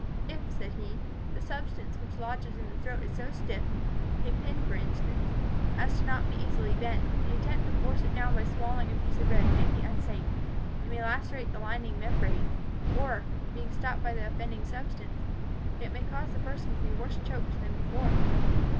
"If," said he, "the substance which lodges in the throat is so stiff (a pin for instance) as not to be easily bent, the attempt to force it down by swallowing a piece of bread may be unsafe; it may lacerate the lining membrane, or, being stopped by the offending substance, it may cause the person to be worse choked than before."